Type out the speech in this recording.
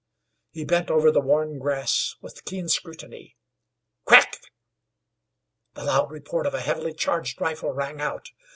He bent over the worn grass with keen scrutiny. CRACK! The loud report of a heavily charged rifle rang out.